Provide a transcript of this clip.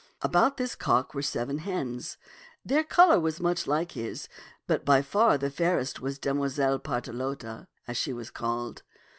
About this cock were seven hens. Their color was much like his, but by far the fairest was Demoiselle Partelote, as she was called.